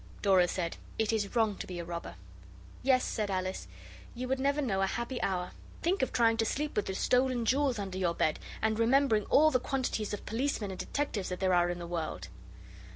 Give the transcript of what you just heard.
Dora said, 'It is wrong to be a robber.' 'Yes,' said Alice, 'you would never know a happy hour. Think of trying to sleep with the stolen jewels under your bed, and remembering all the quantities of policemen and detectives that there are in the world!